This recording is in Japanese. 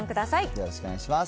よろしくお願いします。